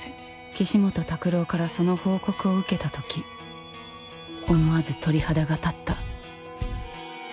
岸本拓朗からその報告を受けたとき思わず鳥肌が立った。